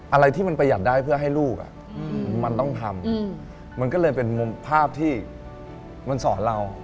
อะไรที่มันประหยัดได้เพื่อให้ลูกมันต้องทำมันก็เลยเป็นมุมภาพที่มันสอนเรา